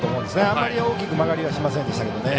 あまり大きく曲がりはしませんでしたけどね。